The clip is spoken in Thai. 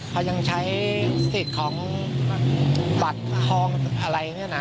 เขายังใช้สิทธิ์ของบัตรทองอะไรเนี่ยนะ